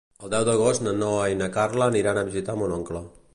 El deu d'agost na Noa i na Carla aniran a visitar mon oncle.